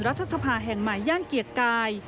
รัฐสภาแห่งใหม่ย่านเกียรติกาย